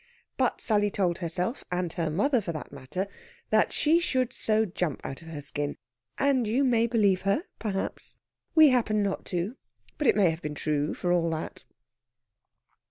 But Sally told herself and her mother, for that matter that she should so jump out of her skin; and you may believe her, perhaps. We happen not to; but it may have been true, for all that.